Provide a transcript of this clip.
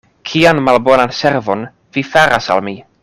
Kian malbonan servon vi faras al mi!